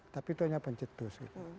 tapi itu hanya pencetus